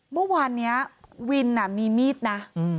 เมื่อวานนี้วินมีมีดนะ